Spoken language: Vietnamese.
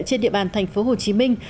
trên địa bàn thành phố hồ chí minh